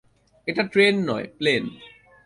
এটা ট্রেন নয়, প্লেন।